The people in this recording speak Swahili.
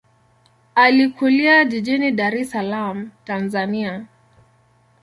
Alikulia jijini Dar es Salaam, Tanzania.